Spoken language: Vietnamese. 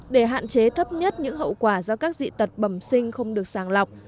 để hạn chế thấp nhất những hậu quả do các dị tật bẩm sinh không được sàng lọc